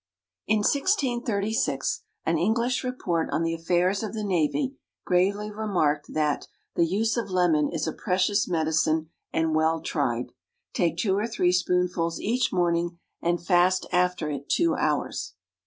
In 1636 an English report on the affairs of the navy gravely remarked that "the use of lemon is a precious medicine and well tried. Take two or three spoonfuls each morning and fast after it two hours."